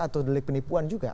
atau delik penipuan juga